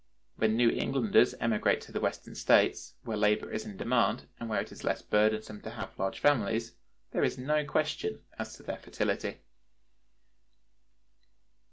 When New Englanders emigrate to the Western States, where labor is in demand and where it is less burdensome to have large families, there is no question as to their fertility.